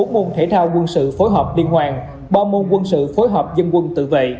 bốn môn thể thao quân sự phối hợp liên hoàn ba môn quân sự phối hợp dân quân tự vệ